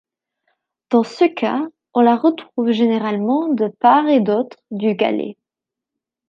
Dans ce cas, on la retrouve généralement de part et d'autre du galet.